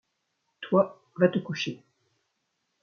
Toi, va te coucher.